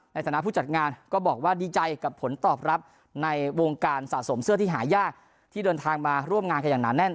ในฐานะผู้จัดงานก็บอกว่าดีใจกับผลตอบรับในวงการสะสมเสื้อที่หายากที่เดินทางมาร่วมงานกันอย่างหนาแน่น